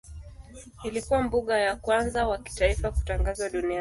Ilikuwa mbuga ya kwanza wa kitaifa kutangazwa duniani.